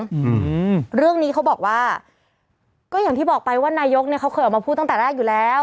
อืมเรื่องนี้เขาบอกว่าก็อย่างที่บอกไปว่านายกเนี้ยเขาเคยออกมาพูดตั้งแต่แรกอยู่แล้ว